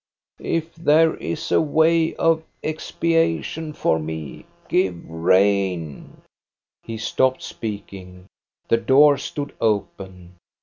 " If there is a way of expiation for me, give rain —" He stopped speaking. The doors stood open.